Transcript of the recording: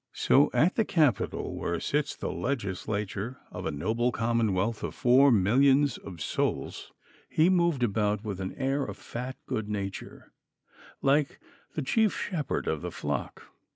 So at the Capitol, where sits the Legislature of a noble commonwealth of four millions of souls, he moved about with an air of fat good nature, like the chief shepherd of the flock.